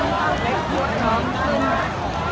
สวัสดีครับทุกคน